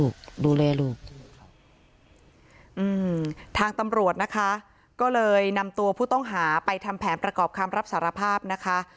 ดูแลลูกอืมทางตำรวจนะคะก็เลยนำตัวผู้ต้องหาไปทำแผนประกอบคำรับสารภาพนะคะ